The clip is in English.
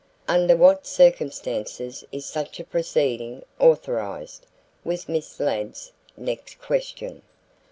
"Under what circumstances is such a proceeding authorized?" was Miss Ladd's next question.